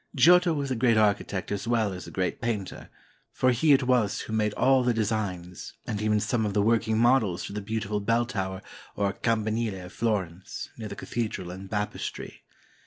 Giotto was a great architect as well as a great painter, for he it was who made all the designs, and even some of the working models for the beautiful bell tower, or campanile of Florence, near the cathedral and baptistery.